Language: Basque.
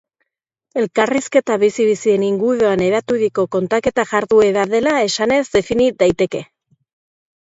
Elkarrizketa bizi-bizien inguruan eraturiko kontaketa-jarduera dela esanez defini daiteke.